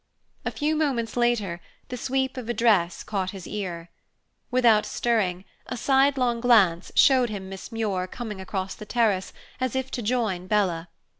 A few moments later, the sweep of a dress caught his ear. Without stirring, a sidelong glance showed him Miss Muir coming across the terrace, as if to join Bella.